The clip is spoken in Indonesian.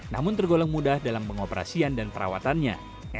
namun tergolong mudah dalam pengoperasian dan perawatannya